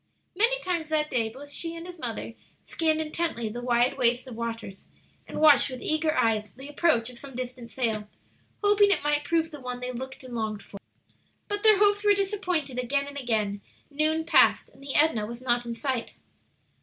Many times that day both she and his mother scanned intently the wide waste of waters, and watched with eager eyes the approach of some distant sail, hoping it might prove the one they looked and longed for. But their hopes were disappointed again and again; noon passed, and the Edna was not in sight.